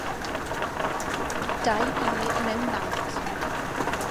Dau gi mewn nant